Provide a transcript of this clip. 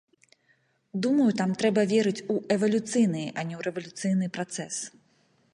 Думаю, там трэба верыць у эвалюцыйны, а не ў рэвалюцыйны працэс.